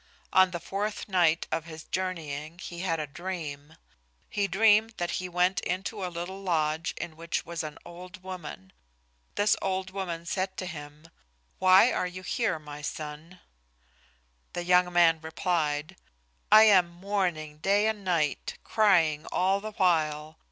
On the fourth night of his journeying he had a dream. He dreamed that he went into a little lodge in which was an old woman. This old woman said to him, "Why are you here, my son?" The young man replied, "I am mourning day and night, crying all the while.